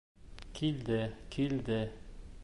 Килде, килде...